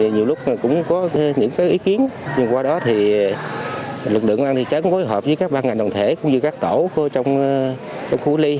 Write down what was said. nhiều lúc cũng có những ý kiến nhưng qua đó thì lực lượng công an thị trấn phối hợp với các ban ngành đồng thể cũng như các tổ trong khu ly